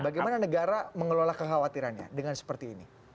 bagaimana negara mengelola kekhawatirannya dengan seperti ini